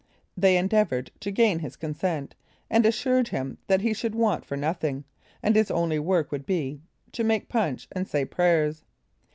They endeavored to gain his consent, and assured him that he should want for nothing, and his only work would be, to make punch and say prayers.